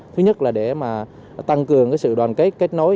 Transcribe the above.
thứ nhất là để mà tăng cường sự đoàn kết kết nối